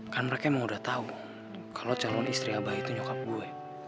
kan mereka emang udah tahu kalau calon istri abah itu nyokap gue